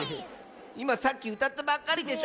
いまさっきうたったばっかりでしょ。